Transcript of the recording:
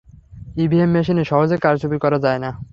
EVM মেশিনে সহজে কারচুপি করা যায় না।